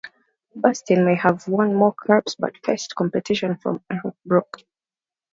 Bastin may have won more caps but faced competition from Eric Brook.